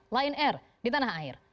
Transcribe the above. lion air di tanah air